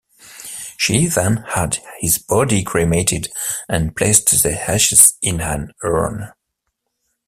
She then had his body cremated and placed the ashes in an urn.